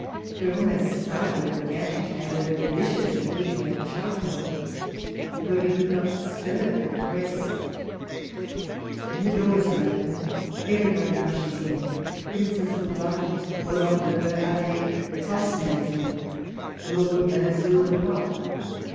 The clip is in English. We were almost stifled in the ante chamber, where their dishes were heating over charcoal, and where we could not stir for the press. When the doors are opened, everybody rushes in, princes of the blood, cordons bleus, abbes, housemaids, and the Lord knows who and what.